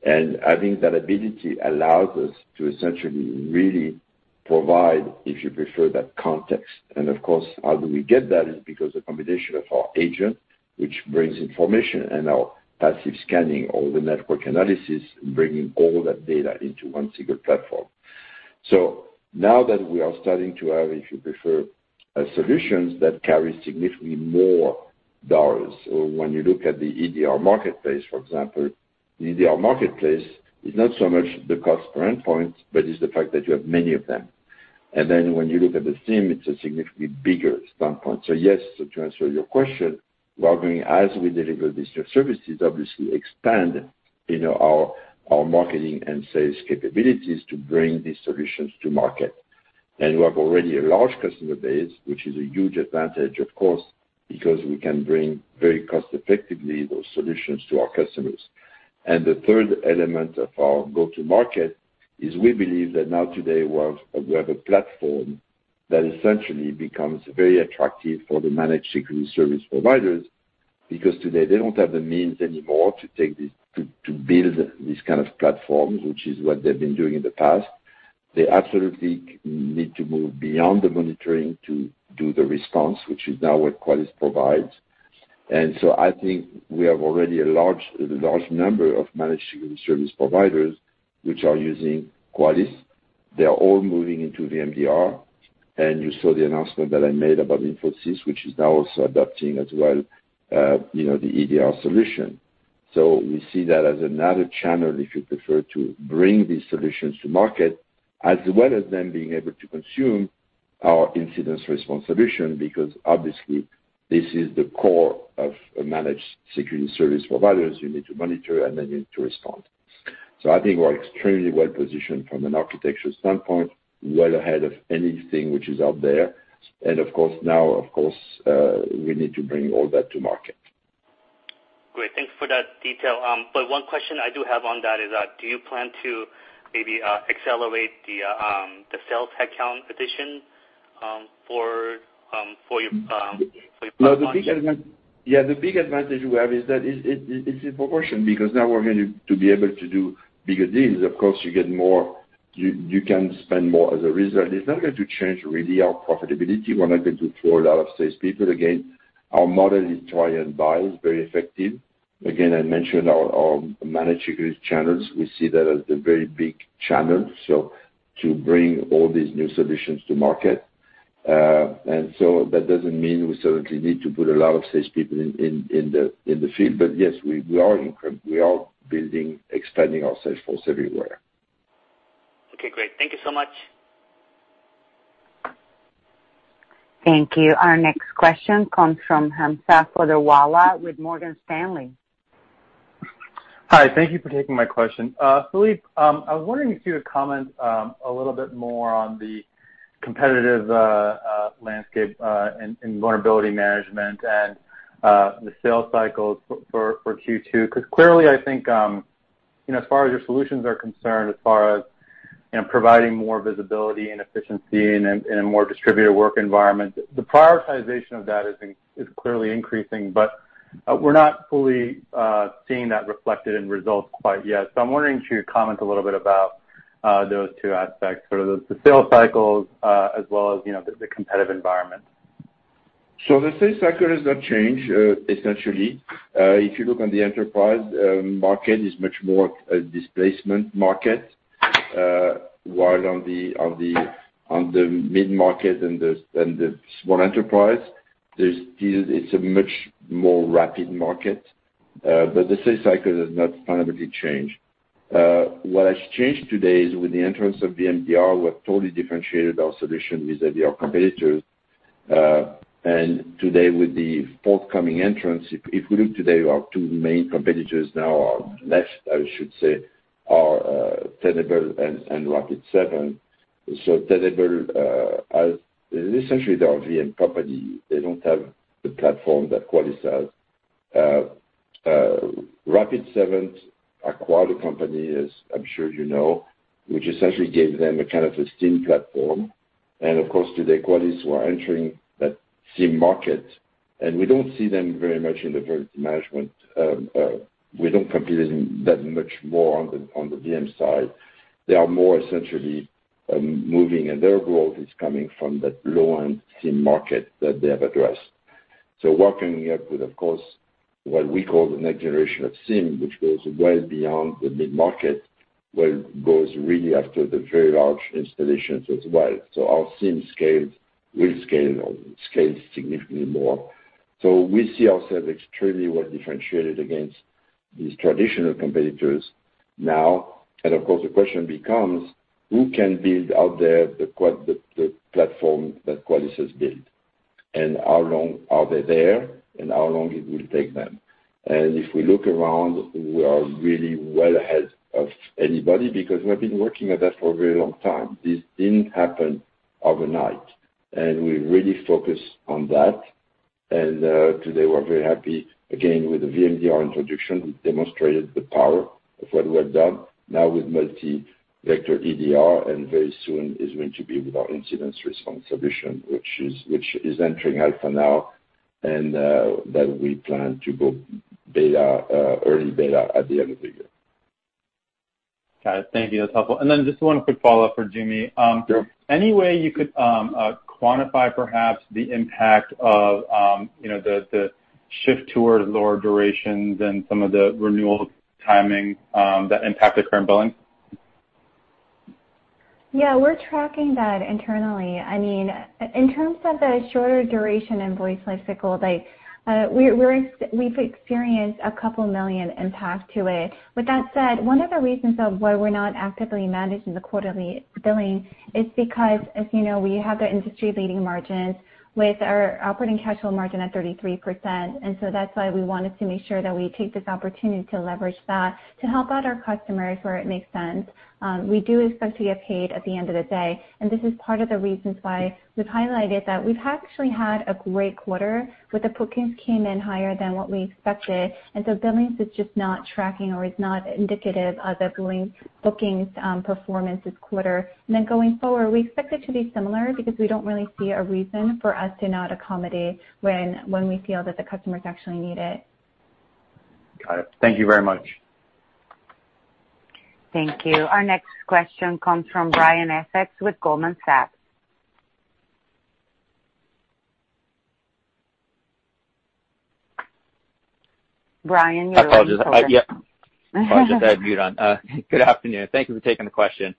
Having that ability allows us to essentially really provide, if you prefer, that context. Of course, how do we get that is because the combination of our agent, which brings information and our passive scanning, all the network analysis, bringing all that data into one single platform. Now that we are starting to have, if you prefer, a solutions that carry significantly more dollars, or when you look at the EDR marketplace, for example, the EDR marketplace is not so much the cost per endpoint, but it's the fact that you have many of them. When you look at the SIEM, it's a significantly bigger standpoint. Yes, to answer your question, we are going, as we deliver these new services, obviously expand, you know, our marketing and sales capabilities to bring these solutions to market. We have already a large customer base, which is a huge advantage, of course, because we can bring very cost effectively those solutions to our customers. The third element of our go-to-market is we believe that now today we have a platform that essentially becomes very attractive for the managed security service providers because today they don't have the means anymore to build these kind of platforms, which is what they've been doing in the past. They absolutely need to move beyond the monitoring to do the response, which is now what Qualys provides. I think we have already a large number of managed security service providers which are using Qualys. They are all moving into VMDR. You saw the announcement that I made about Infosys, which is now also adopting as well, you know, the EDR solution. We see that as another channel, if you prefer, to bring these solutions to market, as well as them being able to consume our incident response solution, because obviously this is the core of a managed security service providers. You need to monitor and then you need to respond. I think we're extremely well-positioned from an architecture standpoint, well ahead of anything which is out there. Of course, now, of course, we need to bring all that to market. Great. Thanks for that detail. One question I do have on that is, do you plan to maybe accelerate the sales headcount addition for your platform? No, the big advantage we have is that it's in proportion because now we're going to be able to do bigger deals. Of course, you get more, you can spend more as a result. It's not going to change really our profitability. We're not going to throw a lot of salespeople. Again, our model is try and buy, it's very effective. Again, I mentioned our managed security channels. We see that as a very big channel, so to bring all these new solutions to market. That doesn't mean we certainly need to put a lot of salespeople in the field. Yes, we are building, expanding our sales force everywhere. Okay, great. Thank you so much. Thank you. Our next question comes from Hamza Fodderwala with Morgan Stanley. Hi, thank you for taking my question. Philippe, I was wondering if you would comment a little bit more on the competitive landscape in Vulnerability Management and the sales cycles for Q2. Clearly I think, you know, as far as your solutions are concerned, as far as, you know, providing more visibility and efficiency in a, in a more distributed work environment, the prioritization of that is clearly increasing, but we're not fully seeing that reflected in results quite yet. I'm wondering if you would comment a little bit about those two aspects. Sort of the sales cycles, as well as, you know, the competitive environment. The sales cycle has not changed, essentially. If you look on the enterprise market, it's much more a displacement market. While on the mid-market and the small enterprise, it's a much more rapid market. The sales cycle has not fundamentally changed. What has changed today is with the entrance of VMDR, we have totally differentiated our solution with EDR competitors. Today with the forthcoming entrants, if we look today, our two main competitors now are less, I should say, are Tenable and Rapid7. Tenable, as essentially they are a VM company, they don't have the platform that Qualys has. Rapid7 acquired a company, as I'm sure you know, which essentially gave them a kind of a SIEM platform. Today, Qualys, who are entering that SIEM market, we don't see them very much in the Vulnerability Management. We don't compete with them that much more on the VM side. They are more essentially moving, and their growth is coming from that low-end SIEM market that they have addressed. Working up with what we call the next generation of SIEM, which goes well beyond the mid-market, goes really after the very large installations as well. Our SIEM scales significantly more. We see ourselves extremely well differentiated against these traditional competitors now. The question becomes: Who can build out there the platform that Qualys has built? How long are they there, and how long it will take them? If we look around, we are really well ahead of anybody because we have been working at that for a very long time. This didn't happen overnight, and we really focus on that. Today we're very happy again with the VMDR introduction. We demonstrated the power of what we have done now with Multi-Vector EDR, and very soon is going to be with our incident response solution, which is entering alpha now, that we plan to go beta, early beta at the end of the year. Got it. Thank you. That's helpful. Just one quick follow-up for Joo Mi. Sure. Any way you could quantify perhaps the impact of, you know, the shift towards lower durations and some of the renewal timing, that impact the current billing? Yeah, we're tracking that internally. I mean, in terms of the shorter duration invoice lifecycle, like, we've experienced a couple million impact to it. With that said, one of the reasons of why we're not actively managing the quarterly billing is because, as you know, we have the industry-leading margins with our operating cash flow margin at 33%. That's why we wanted to make sure that we take this opportunity to leverage that to help out our customers where it makes sense. We do expect to get paid at the end of the day, and this is part of the reasons why we've highlighted that we've actually had a great quarter with the bookings came in higher than what we expected. Billings is just not tracking or is not indicative of the billing bookings performance this quarter. Going forward, we expect it to be similar because we don't really see a reason for us to not accommodate when we feel that the customers actually need it. Got it. Thank you very much. Thank you. Our next question comes from Brian Essex with Goldman Sachs. Brian, you're on mute. Apologies. Apologies I had mute on. Good afternoon. Thank you for taking the question.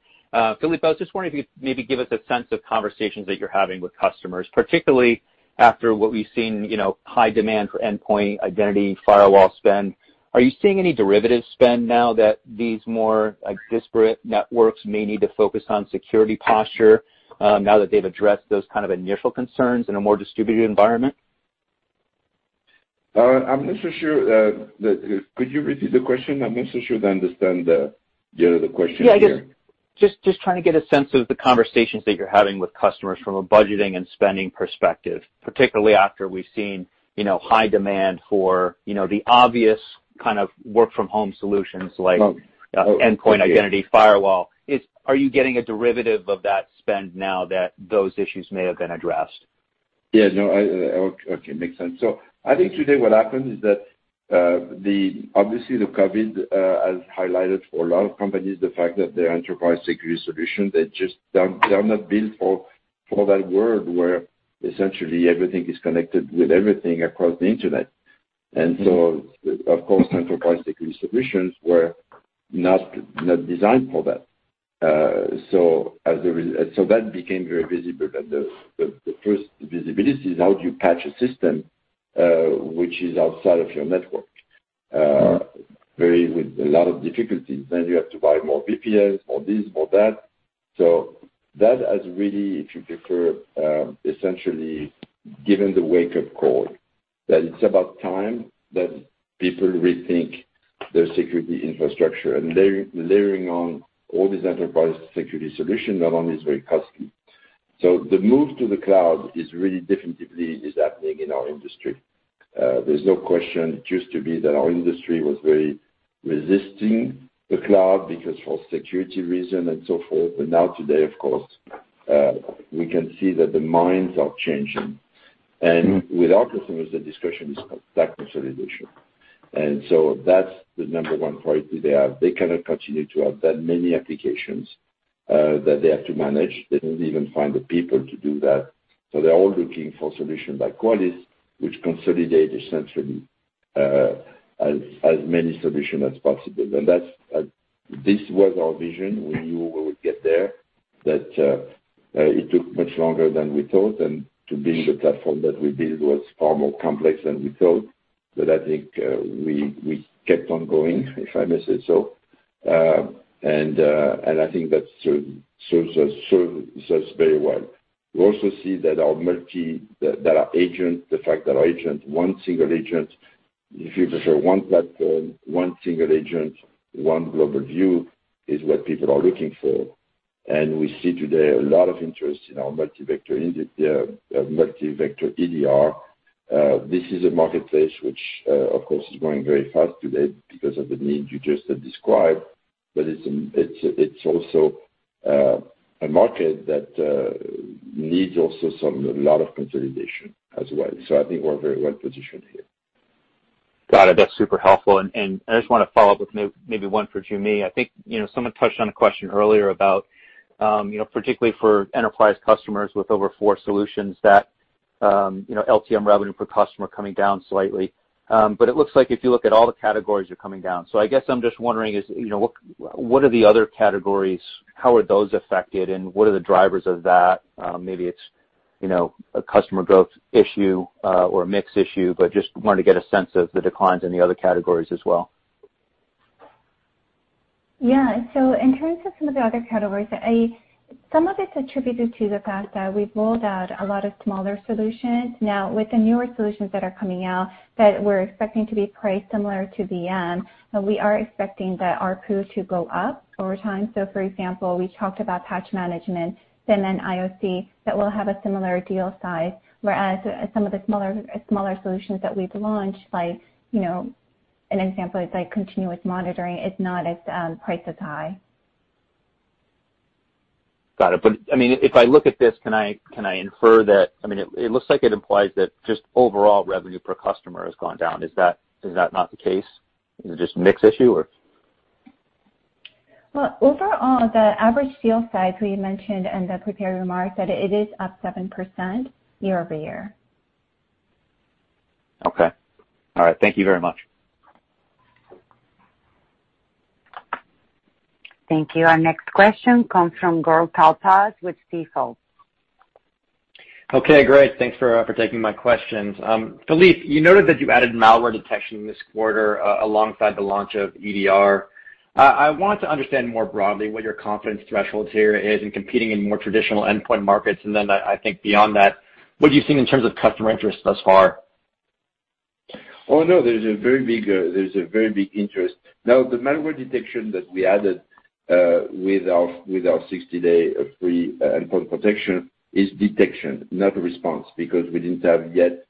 Philippe, I was just wondering if you'd maybe give us a sense of conversations that you're having with customers, particularly after what we've seen, you know, high demand for endpoint, identity, firewall spend. Are you seeing any derivative spend now that these more like disparate networks may need to focus on security posture, now that they've addressed those kind of initial concerns in a more distributed environment? I'm not so sure. Could you repeat the question? I'm not so sure I understand the other question here. Yeah, just trying to get a sense of the conversations that you're having with customers from a budgeting and spending perspective, particularly after we've seen, you know, high demand for, you know, the obvious kind of work-from-home solutions. Oh. Endpoint identity firewall. Are you getting a derivative of that spend now that those issues may have been addressed? Yeah, no, I makes sense. I think today what happened is that the obviously the COVID-19 has highlighted for a lot of companies the fact that their enterprise security solution, they're not built for that world where essentially everything is connected with everything across the internet. Of course, enterprise security solutions were not designed for that. That became very visible that the first visibility is how do you patch a system which is outside of your network very with a lot of difficulties. You have to buy more VPNs, more this, more that. That has really, if you prefer, essentially given the wake-up call that it's about time that people rethink their security infrastructure. Layering on all these enterprise security solutions not only is very costly. The move to the cloud is really definitively happening in our industry. There's no question it used to be that our industry was very resisting the cloud because for security reasons and so forth. Now today, of course, we can see that the minds are changing. With our customers, the discussion is about that consolidation. That's the number one priority they have. They cannot continue to have that many applications that they have to manage. They don't even find the people to do that. They're all looking for solutions by Qualys, which consolidate essentially as many solutions as possible. This was our vision. We knew we would get there, but it took much longer than we thought, and to build the platform that we build was far more complex than we thought. I think we kept on going, if I may say so. I think that serves us very well. We also see that our agent, the fact that our agent, one single agent, if you prefer one platform, one single agent, one global view is what people are looking for. We see today a lot of interest in our Multi-Vector EDR. This is a marketplace which, of course, is growing very fast today because of the need you just described. It's also a market that needs also a lot of consolidation as well. I think we're very well-positioned here. Got it. That's super helpful. I just want to follow up with maybe one for Joo Mi. I think, you know, someone touched on a question earlier about, particularly for enterprise customers with over four solutions that LTM revenue per customer coming down slightly. It looks like if you look at all the categories are coming down. I guess I'm just wondering is, what are the other categories? How are those affected, and what are the drivers of that? Maybe it's a customer growth issue or a mix issue, just wanted to get a sense of the declines in the other categories as well. In terms of some of the other categories, some of it's attributed to the fact that we've rolled out a lot of smaller solutions. Now, with the newer solutions that are coming out that we're expecting to be priced similar to VM, we are expecting that ARPU to go up over time. For example, we talked about Patch Management and then IOC that will have a similar deal size, whereas some of the smaller solutions that we've launched, like, you know, an example is like Continuous Monitoring is not as priced as high. Got it. I mean, if I look at this, can I, can I infer that I mean, it looks like it implies that just overall revenue per customer has gone down. Is that, is that not the case? Is it just mix issue or? Well, overall, the average deal size we mentioned in the prepared remarks that it is up 7% year-over-year. Okay. All right. Thank you very much. Thank you. Our next question comes from Gur Talpaz with Stifel. Okay, great. Thanks for taking my questions. Philippe, you noted that you added malware detection this quarter alongside the launch of EDR. I want to understand more broadly what your confidence thresholds here is in competing in more traditional endpoint markets. Beyond that, what have you seen in terms of customer interest thus far? No, there's a very big interest. The malware detection that we added with our 60-day free endpoint protection is detection, not response, because we didn't have yet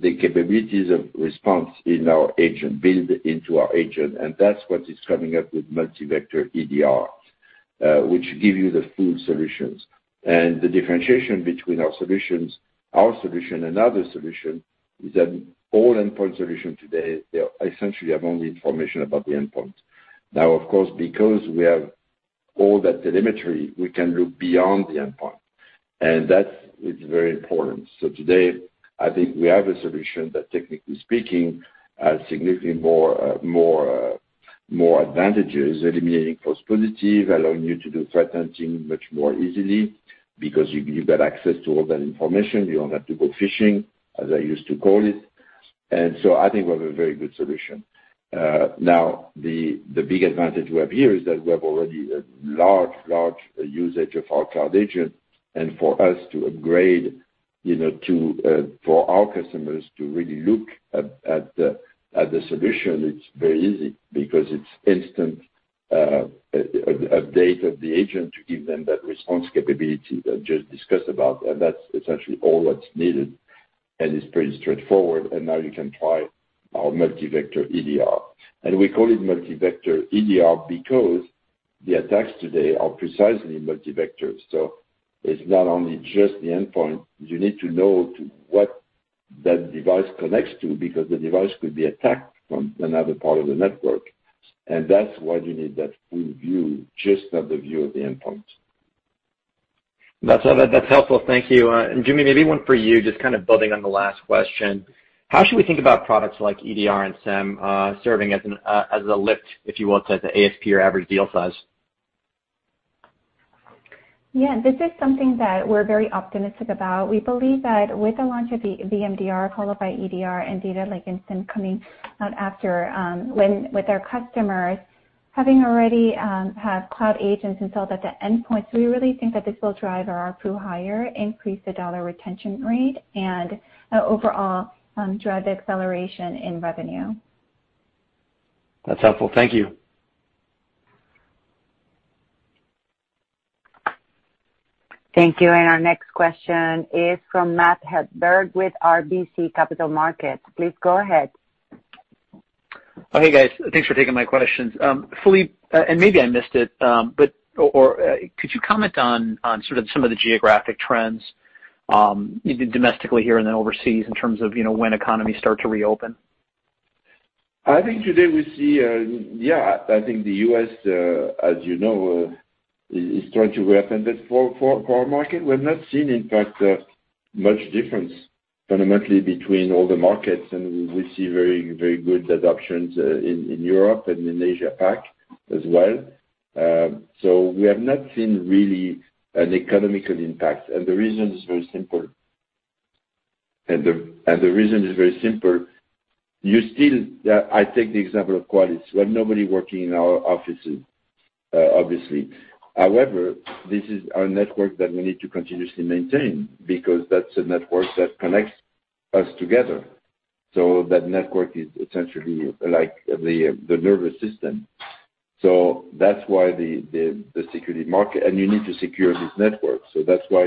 the capabilities of response in our agent, built into our agent, and that's what is coming up with Multi-Vector EDR, which give you the full solutions. The differentiation between our solution and other solution is that all endpoint solution today, they essentially have only information about the endpoint. Of course, because we have all that telemetry, we can look beyond the endpoint, and that is very important. Today, I think we have a solution that technically speaking has significantly more advantages eliminating false positive, allowing you to do threat hunting much more easily because you've got access to all that information. You don't have to go fishing, as I used to call it. I think we have a very good solution. Now, the big advantage we have here is that we have already a large usage of our Cloud Agent. For us to upgrade, you know, to for our customers to really look at the solution, it's very easy because it's instant update of the agent to give them that response capability that just discussed about. That's essentially all that's needed, and it's pretty straightforward. Now you can try our Multi-Vector EDR. We call it Multi-Vector EDR because the attacks today are precisely multi-vector. It's not only just the endpoint. You need to know to what that device connects to because the device could be attacked from another part of the network. That's why you need that full view, just have the view of the endpoint. That's, that's helpful. Thank you. Joo Mi, maybe one for you, just kind of building on the last question. How should we think about products like EDR and SIEM, serving as an, as a lift, if you will, to the ASP or average deal size? Yeah. This is something that we're very optimistic about. We believe that with the launch of VMDR, Qualys EDR, and Data Lake and SIEM coming out after, when our customers already have cloud agents installed at the endpoint, we really think that this will drive our ARPU higher, increase the dollar retention rate, and overall drive acceleration in revenue. That's helpful. Thank you. Thank you. Our next question is from Matt Hedberg with RBC Capital Markets. Please go ahead. Oh, hey, guys. Thanks for taking my questions. Philippe, maybe I missed it, but could you comment on sort of some of the geographic trends domestically here and then overseas in terms of, you know, when economies start to reopen? I think today we see, I think the U.S., as you know, is trying to reopen the forward market. We've not seen, in fact, much difference fundamentally between all the markets, and we see very, very good adoptions in Europe and in Asia Pac as well. We have not seen really an economical impact, and the reason is very simple. The reason is very simple. I take the example of Qualys. We have nobody working in our offices, obviously. However, this is our network that we need to continuously maintain because that's a network that connects us together. That network is essentially like the nervous system. You need to secure this network. That's why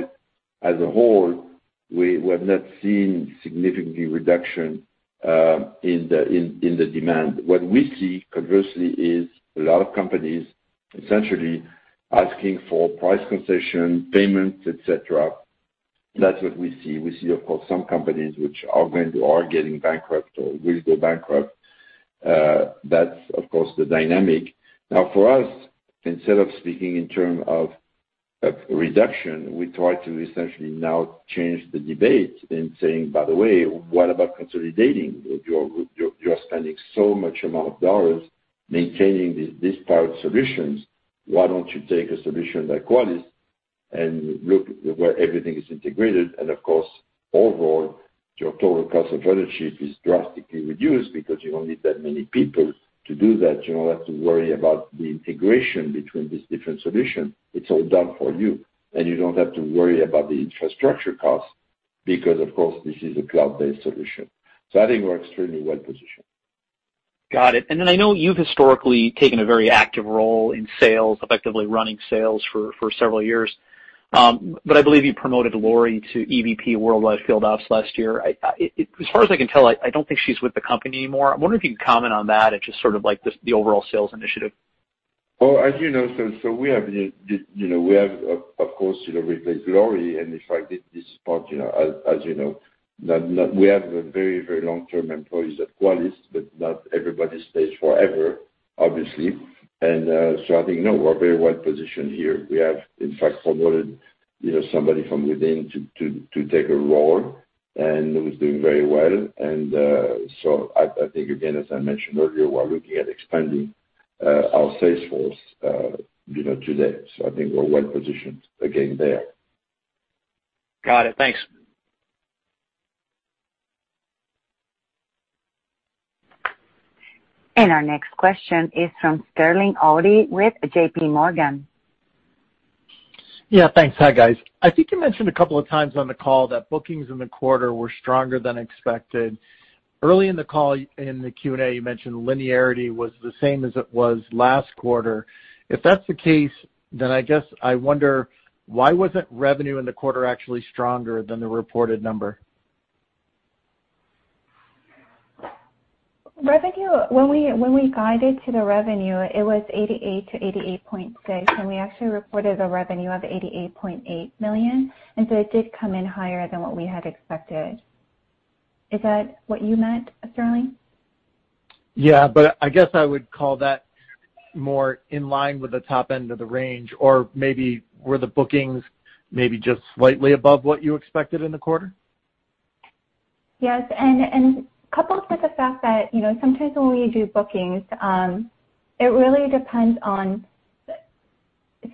as a whole, we have not seen significant reduction in the demand. What we see conversely is a lot of companies essentially asking for price concession, payments, et cetera. That's what we see. We see of course some companies which are going to or are getting bankrupt or will go bankrupt. That's of course the dynamic. For us, instead of speaking in terms of a reduction, we try to essentially now change the debate in saying, "By the way, what about consolidating? You're spending so much amount of dollars maintaining these disparate solutions. Why don't you take a solution like Qualys and look where everything is integrated? And of course, overall, your total cost of ownership is drastically reduced because you don't need that many people to do that. You don't have to worry about the integration between these different solutions. It's all done for you. You don't have to worry about the infrastructure costs because of course this is a cloud-based solution. I think we're extremely well-positioned. Got it. I know you've historically taken a very active role in sales, effectively running sales for several years. I believe you promoted Lori to EVP worldwide field ops last year. I as far as I can tell, I don't think she's with the company anymore. I wonder if you can comment on that and just sort of like just the overall sales initiative. Well, as you know, we have the, you know, we have of course, you know, replaced Lori. In fact, this part, you know, as you know, not We have very long-term employees at Qualys, but not everybody stays forever, obviously. I think, no, we're very well-positioned here. We have in fact promoted, you know, somebody from within to take her role and who is doing very well. I think, again, as I mentioned earlier, we're looking at expanding our sales force, you know, today. I think we're well-positioned again there. Got it. Thanks. Our next question is from Sterling Auty with JPMorgan. Yeah, thanks. Hi, guys. I think you mentioned a couple of times on the call that bookings in the quarter were stronger than expected. Early in the call, in the Q&A, you mentioned linearity was the same as it was last quarter. I guess I wonder why wasn't revenue in the quarter actually stronger than the reported number? Revenue, when we guided to the revenue, it was $88 million-$88.6 million, and we actually reported a revenue of $88.8 million. It did come in higher than what we had expected. Is that what you meant, Sterling? Yeah. I guess I would call that more in line with the top end of the range or maybe were the bookings maybe just slightly above what you expected in the quarter? Yes. Coupled with the fact that, you know, sometimes when we do bookings, it really depends on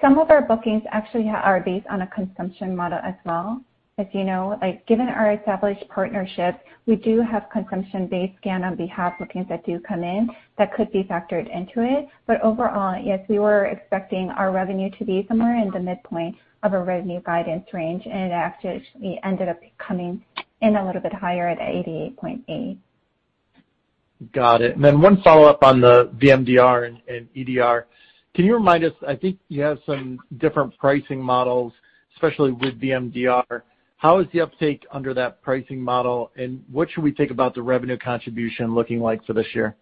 Some of our bookings actually are based on a consumption model as well. As you know, like, given our established partnerships, we do have consumption-based scan on behalf of clients that do come in that could be factored into it. Overall, yes, we were expecting our revenue to be somewhere in the midpoint of a revenue guidance range, and actually it ended up coming in a little bit higher at $88.8. Got it. One follow-up on the VMDR and EDR. Can you remind us, I think you have some different pricing models, especially with VMDR. How is the uptake under that pricing model, and what should we think about the revenue contribution looking like for this year?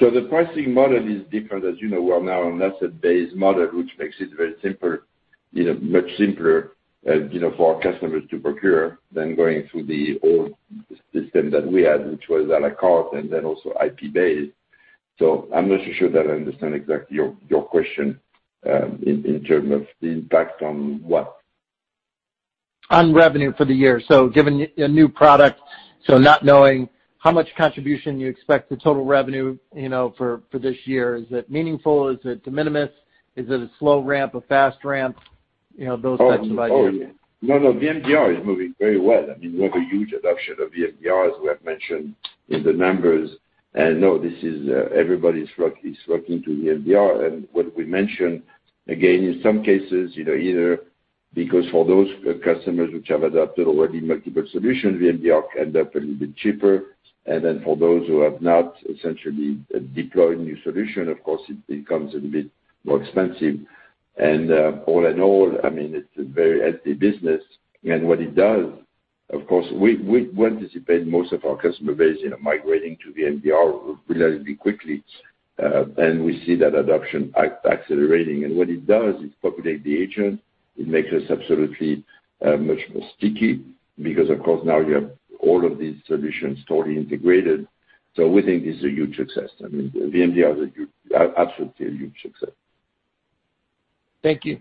The pricing model is different. As you know, we are now on asset-based model, which makes it very simpler, you know, much simpler, you know, for our customers to procure than going through the old system that we had, which was à la carte and then also IP-based. I'm not so sure that I understand exactly your question, in term of the impact on what? On revenue for the year. Given a new product, so not knowing how much contribution you expect the total revenue, you know, for this year. Is it meaningful? Is it de minimis? Is it a slow ramp, a fast ramp? You know, those types of ideas. No, no. VMDR is moving very well. I mean, we have a huge adoption of VMDR, as we have mentioned in the numbers. No, this is, everybody's working to VMDR. What we mentioned, again, in some cases, you know, either because for those customers which have adopted already multiple solutions, VMDR end up a little bit cheaper. For those who have not essentially deployed new solution, of course it becomes a little bit more expensive. All in all, I mean, it's a very healthy business. What it does, of course, we anticipate most of our customer base, you know, migrating to VMDR relatively quickly. We see that adoption accelerating. What it does, it populate the agent. It makes us absolutely much more sticky because of course now you have all of these solutions totally integrated. We think this is a huge success. I mean, VMDR is a huge absolutely a huge success. Thank you.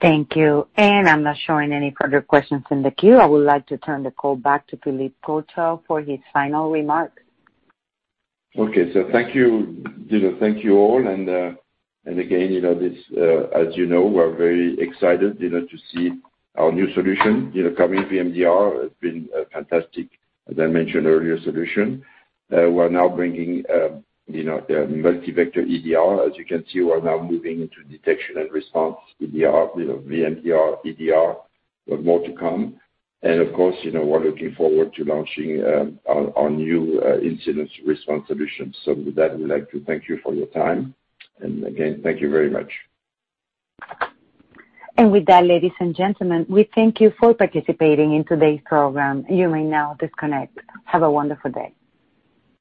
Thank you. I'm not showing any further questions in the queue. I would like to turn the call back to Philippe Courtot for his final remarks. Okay. Thank you. You know, thank you all. Again, you know, this, as you know, we're very excited, you know, to see our new solution, you know, coming. VMDR has been a fantastic, as I mentioned earlier, solution. We're now bringing, you know, the Multi-Vector EDR. As you can see, we're now moving into detection and response, EDR. You know, VMDR, EDR, with more to come. Of course, you know, we're looking forward to launching our new incident response solution. With that, we'd like to thank you for your time. Again, thank you very much. With that, ladies and gentlemen, we thank you for participating in today's program. You may now disconnect. Have a wonderful day.